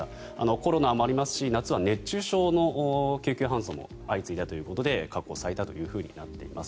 コロナもありますし夏は熱中症の救急搬送も相次いだということで過去最多というふうになっています。